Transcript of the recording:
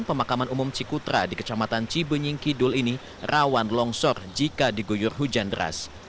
pemakaman umum cikutra di kecamatan cibunying kidul ini rawan longsor jika digoyur hujan deras